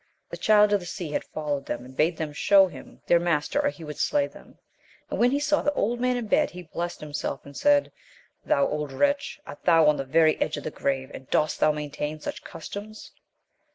The Child of the Sea had followed them, and bade them shew him their master or he would slay them ; and, when he saw the old man in bed, he blessed himself, and said. Thou old wretch I art thou on the very edge of the grave, and dost thou maintain such customs